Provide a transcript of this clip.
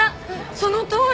そのとおり！